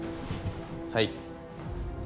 はい。